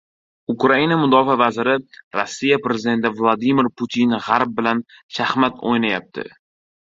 Ukraina Mudofaa vaziri: Rossiya prezidenti Vladimir Putin G‘arb bilan “shaxmat o‘ynayapti”